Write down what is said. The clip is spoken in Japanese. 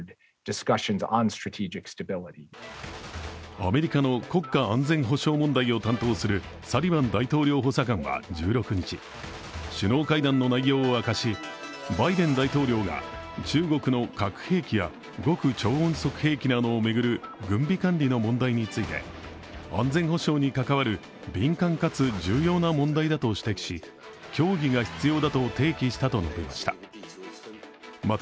アメリカの国家安全保障問題を担当するサリバン大統領補佐官は１６日、首脳会談の内容を明かしバイデン大統領が中国の核兵器や極超音速兵器などを巡る軍備管理の問題について安全保障に関わる敏感かつ重要な問題だと指摘し、協議が必要だと提起したと述べました。